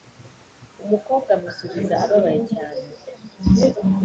umukobwa amusubiza ababaye cyane,